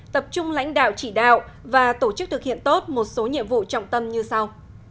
tập trung lãnh đạo chỉ đạo và tổ chức thực hiện tốt một số nhiệm vụ trọng tâm như sau